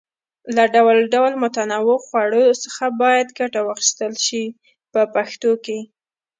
له ډول ډول متنوعو خوړو څخه باید ګټه واخیستل شي په پښتو کې.